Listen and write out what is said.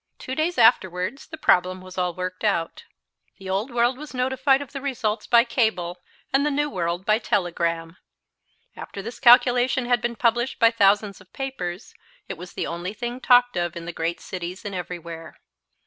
Two days afterwards the problem was all worked out. The Old World was notified of the results by cable and the New World by telegram. After this calculation had been published by thousands of papers, it was the only thing talked of in the great cities and everywhere.